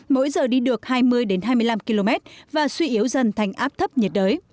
mỗi giờ đi được hai mươi hai mươi năm km và suy yếu dần thành áp thấp nhiệt đới